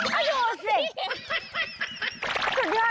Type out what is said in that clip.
ย่าดาวเก่าอีกย้า